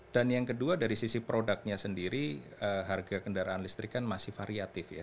dan yang kedua dari sisi produknya sendiri harga kendaraan listrik kan masih variatif ya